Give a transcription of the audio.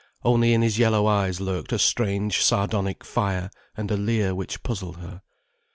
Only in his yellow eyes lurked a strange sardonic fire, and a leer which puzzled her.